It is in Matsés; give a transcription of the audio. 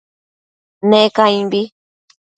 Ne caimbi